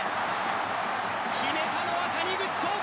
決めたのは谷口彰悟